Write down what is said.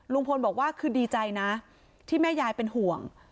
ลุงพลบอกว่าคือดีใจนะที่แม่ยายเป็นห่วง